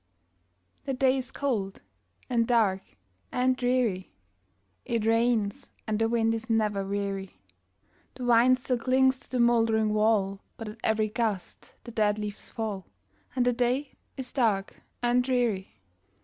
The day is cold, and dark, and dreary; It rains, and the wind is never weary; The vine still clings to the moldering wall, But at every gust the dead leaves fall, And the day is dark and dreary.